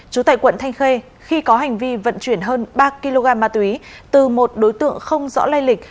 trú tại quận thanh khê khi có hành vi vận chuyển hơn ba kg ma túy từ một đối tượng không rõ lây lịch